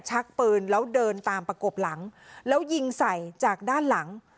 ชักปืนแล้วเดินตามประกบหลังแล้วยิงใส่จากด้านหลัง